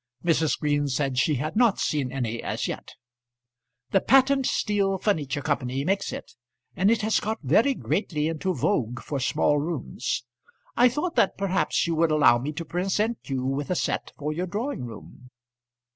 Mrs. Green said she had not seen any as yet. "The Patent Steel Furniture Company makes it, and it has got very greatly into vogue for small rooms. I thought that perhaps you would allow me to present you with a set for your drawing room."